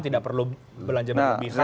tidak perlu belanja belanja